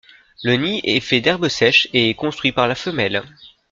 Le nid est fait d'herbes sèches et est construit par la femelle.